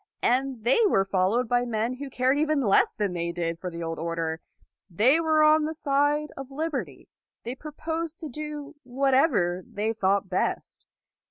And they were followed by men who cared even less than they did for the old order. They were on the side of liberty. They proposed to do whatever they thought best.